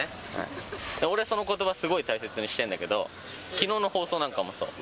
俺、そのことば、すごい大切にしてるんだけど、きのうの放送なんかもそう。